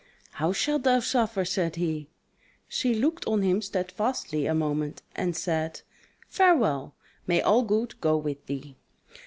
"How shalt thou suffer?" said he. She looked on him steadfastly a moment, and said: "Farewell! may all good go with thee."